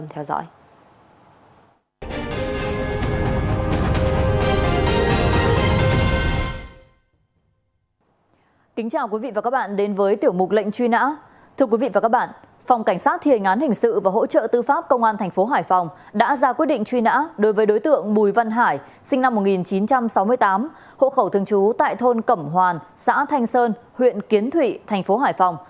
hộ khẩu thương chú tại thôn cẩm hoàn xã thanh sơn huyện kiến thụy tp hải phòng